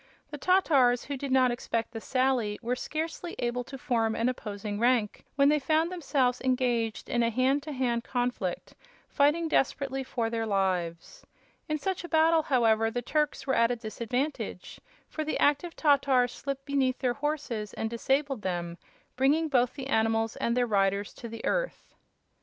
The Tatars, who did not expect the sally, were scarcely able to form an opposing rank when they found themselves engaged in a hand to hand conflict, fighting desperately for their lives. In such a battle, however, the Turks were at a disadvantage, for the active Tatars slipped beneath their horses and disabled them, bringing both the animals and their riders to the earth.